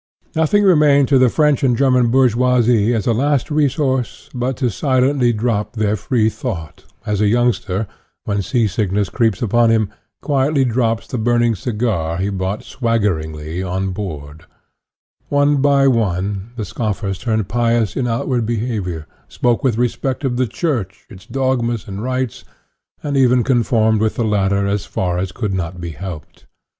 Nothing remained to the French and German bourgeoisie as a last resource but to silently drop their freethought, as a youngster, when sea sickness creeps upon him, quietly drops the burning cigar he brought swaggeringly on board; one by one, the scoffers turned pious in outward behavior, spoke with respect of the Church, its dogmas and rites, and even conformed with the latter as far as could not be helped.